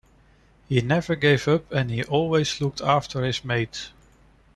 He never gave up and he always looked after his mates.